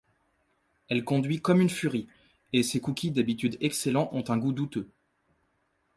Elle conduit comme une furie, et ses cookies d'habitude excellents ont un goût douteux.